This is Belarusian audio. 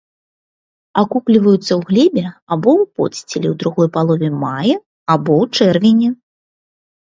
Акукліваюцца ў глебе або ў подсціле ў другой палове мая або ў чэрвені.